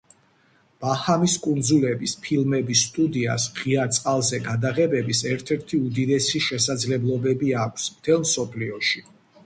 ბაჰამის კუნძულების ფილმების სტუდიას ღია წყალზე გადაღებების ერთ-ერთი უდიდესი შესაძლებლობები აქვს მთელ მსოფლიოში.